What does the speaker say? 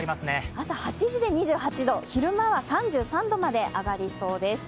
朝８時で２８度、昼間は３３度まで上がりそうです。